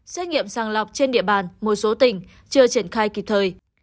xét nghiệm sàng lọc trên địa bàn một số tỉnh chưa triển khai kịp thời